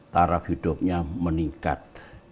taraf hidupnya meningkat